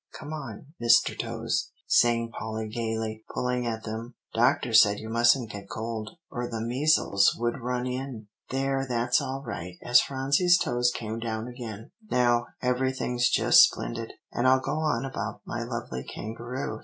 Come on, Mister Toes," sang Polly gayly, pulling at them. "Doctor said you mustn't get cold, or the measles would run in. There, that's all right," as Phronsie's toes came down again; "now everything's just splendid, and I'll go on about my lovely kangaroo.